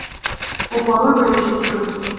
অপু আবার বলিতে শুরু করিল।